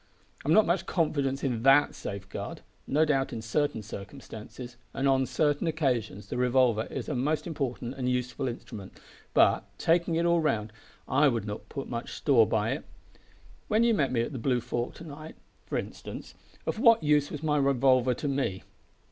"I've not much confidence in that safeguard. No doubt, in certain circumstances, and on certain occasions, the revolver is a most important and useful instrument, but, taking it all round, I would not put much store by it. When you met me at the Blue Fork to night, for instance, of what use was my revolver to me?